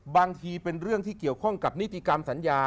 เป็นเรื่องที่เกี่ยวข้องกับนิติกรรมสัญญา